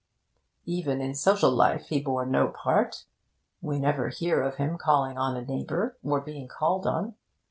Even in social life he bore no part: we never hear of him calling on a neighbour or being called on.